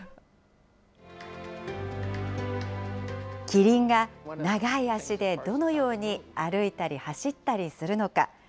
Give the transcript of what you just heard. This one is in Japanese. キリンが長い足でどのように歩いたり走ったりするのか。